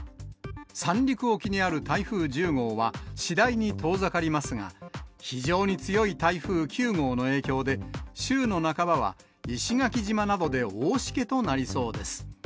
三陸沖にある台風１０号は次第に遠ざかりますが、非常に強い台風９号の影響で、週の半ばは石垣島などで大しけとなりそうです。